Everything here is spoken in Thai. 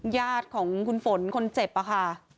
ญาติของคุณฝนคนเจ็บค่ะ